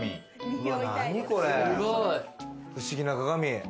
不思議な鏡。